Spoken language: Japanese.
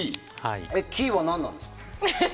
キーは何なんですか？